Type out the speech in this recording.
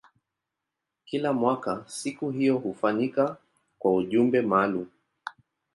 Kila mwaka siku hiyo hufanyika kwa ujumbe maalumu.